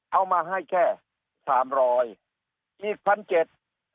เอามาให้แค่๓๐๐บาทอีก๑๗๐๐บาท